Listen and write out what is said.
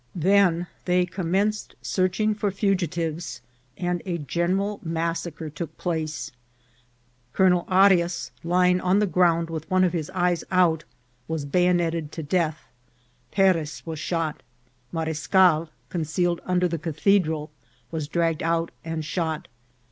Then they commen ced searching for fugitives, and a general massacre took place. Colonel Arias, lying on the ground with one of his eyes out, was bayoneted to death. Perez was shot. Marescal, concealed under the Cathedral, was dragged out and shot.